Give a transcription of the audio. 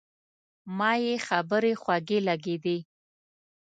ما یې خبرې خوږې لګېدې.